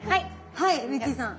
はいベッキーさん。